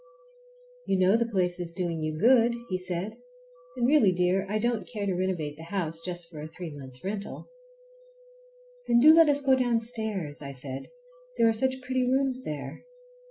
"You know the place is doing you good," he said, "and really, dear, I don't care to renovate the house just for a three months' rental." "Then do let us go downstairs," I said, "there are such pretty rooms there."